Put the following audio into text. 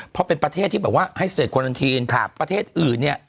เพราะเป็นประเทศที่แบบว่าให้เศษควาลันทีนประเทศอื่นเนี่ย